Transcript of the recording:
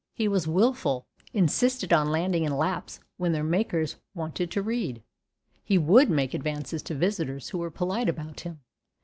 He was wilful, insisted on landing in laps when their makers wanted to read. He would make advances to visitors who were polite about him.